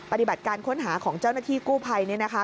ปฏิบัติการค้นหาของเจ้าหน้าที่กู้ภัยเนี่ยนะคะ